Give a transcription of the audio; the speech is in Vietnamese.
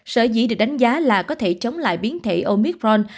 sở dĩ được đánh giá là có thể chống lại biến thể omitron